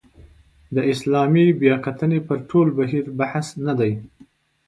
د اسلامي بیاکتنې پر ټول بهیر بحث نه دی.